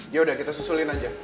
yaudah kita susulin aja